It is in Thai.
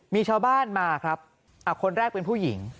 มีชาวบ้านมาครับคนแรกเป็นผู้หญิง